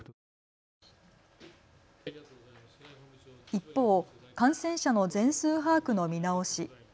一方、感染者の全数把握の見直し。